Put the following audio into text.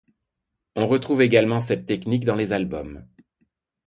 On retrouve également cette technique dans les albums.